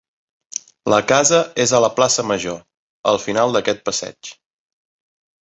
La casa és a la plaça Major, al final d'aquest passeig.